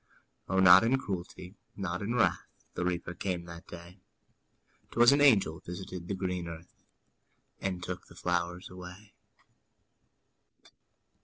O, not in cruelty, not in wrath, The Reaper came that day; 'Twas an angel visited the green earth, And took the flowers away.